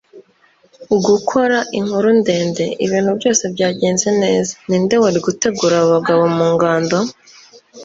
Gukora inkuru ndende, ibintu byose byagenze neza. Ninde wari gutegura abo bagabo mu ngabo?